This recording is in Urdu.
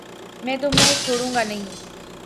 میں تمہیں چھوڑوں گانہیں